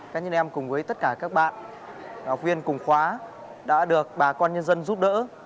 cá nhân em cùng với tất cả các bạn học viên cùng khóa đã được bà con nhân dân giúp đỡ